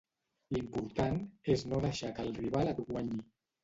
L'important és no deixar que el rival et guanyi.